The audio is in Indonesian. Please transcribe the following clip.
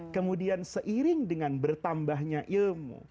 kemudian seiring dengan bertambahnya ilmu